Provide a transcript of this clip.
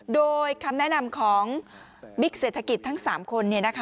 โดยคำแนะนำของบิ๊กเศรษฐกิจทั้ง๓คน